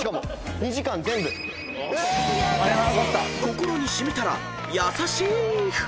［心に染みたら優しい札］